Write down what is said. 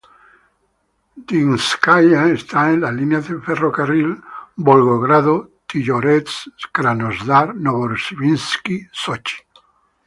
Dinskaya está en la línea de ferrocarril Volgogrado-Tijoretsk- Krasnodar-Novorosisk-Sochi.